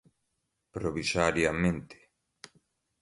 provisoriamente